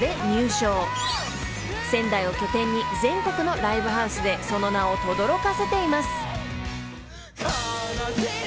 ［仙台を拠点に全国のライブハウスでその名をとどろかせています］